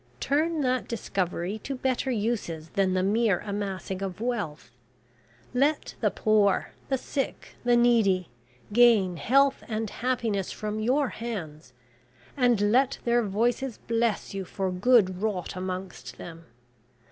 Turn that discovery to better uses than the mere amassing of wealth. Let the poor, the sick, the needy, gain health and happiness from your hands, and let their voices bless you for good wrought amongst them.